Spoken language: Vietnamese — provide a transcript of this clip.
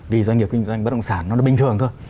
vì doanh nghiệp kinh doanh bất động sản nó bình thường thôi